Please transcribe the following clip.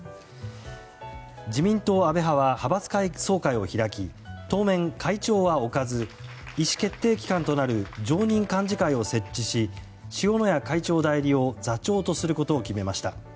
自民党・安倍派は派閥総会を開き当面、会長は置かず意思決定機関となる常任幹事会を設置し塩谷会長代行を座長とすることを決めました。